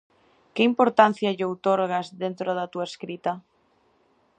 Que importancia lle outorgas dentro da túa escrita?